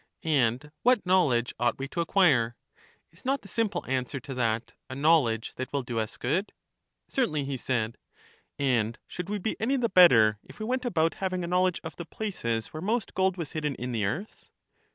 And what knowledge ought we to acquire? Is not the simple answer to that, A knowledge that will do us good? Certainly, he said. And should we be any the better if we went about having a knowledge of the places where most gold was hidden in the earth?